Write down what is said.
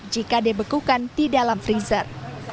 jika dibekukan di dalam freezer